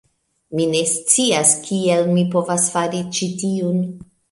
Mi ne scias kiel mi povas fari ĉi tiun.